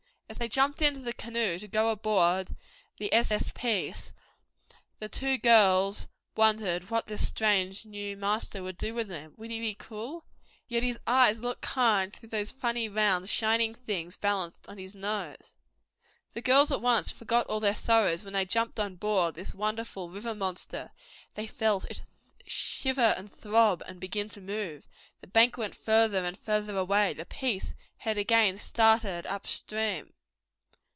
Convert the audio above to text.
As they jumped into the canoe to go aboard the S.S. Peace, the two girls wondered what this strange new master would do with them. Would he be cruel? Yet his eyes looked kind through those funny, round, shining things balanced on his nose. The girls at once forgot all their sorrows when they jumped on board this wonderful river monster. They felt it shiver and throb and begin to move. The bank went farther and farther away. The Peace had again started up stream.